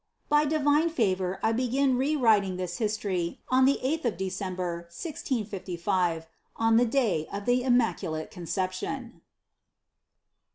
By divine favor I begin re writing this history on the eighth of December, 1655, on the day of the Immaculate Conception.